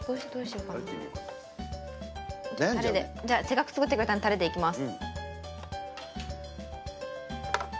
じゃあ、せっかく作ってくれたんでタレでいきます。